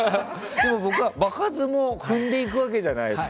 でも、場数も踏んでいくわけじゃないですか。